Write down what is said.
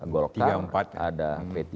golokan ada p tiga